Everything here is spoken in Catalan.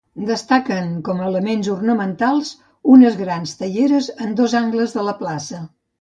Destaquen com a elements ornamentals unes grans teieres en dos angles de la plaça.